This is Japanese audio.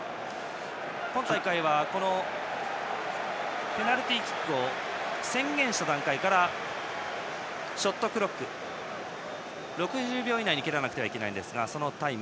今大会は、ペナルティーキックを宣言した段階からショットクロック６０秒以内に蹴らなければいけません。